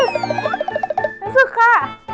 aku juga suka